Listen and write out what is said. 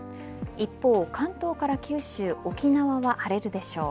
一方、関東から九州沖縄は晴れるでしょう